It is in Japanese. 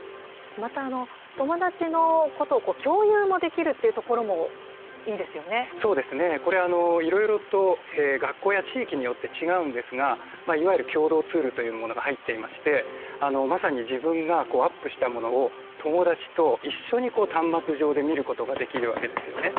また友達の子と共有もできるというところもそうですね、これいろいろと学校や地域によって違うんですが、いわゆる共同ツールというものが入っていまして、まさに自分がアップしたものを友達と一緒に端末上で見ることができるわけですよね。